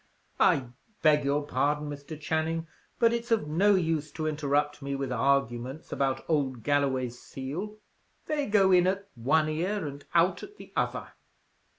I beg your pardon, Mr. Channing, but it's of no use to interrupt me with arguments about old Galloway's seal. They go in at one ear and out at the other.